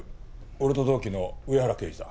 俺と同期の上原刑事だ。